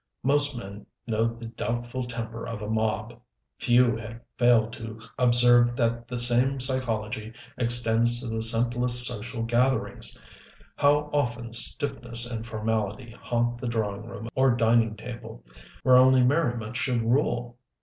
Most men know the doubtful temper of a mob. Few had failed to observe that the same psychology extends to the simplest social gatherings. How often stiffness and formality haunt the drawing room or dining table, where only merriment should rule!